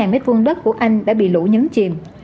ba m hai đất của anh đã bị lũ nhấn chìm